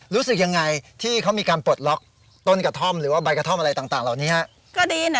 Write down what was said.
รู้สึกยังไงที่เขามีการปลดล็อกต้นกระท่อมหรือว่าใบกระท่อมอะไรต่างเหล่านี้ฮะ